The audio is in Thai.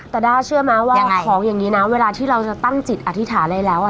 แต่ด้าเชื่อไหมว่าของอย่างนี้นะเวลาที่เราจะตั้งจิตอธิษฐานอะไรแล้ว